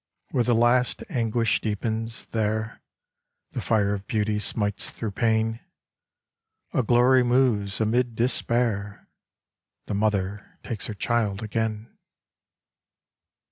Where the last anguish deepens there The fire of beauty smites through pain : A glory moves amid despair, The Mother takes her child again.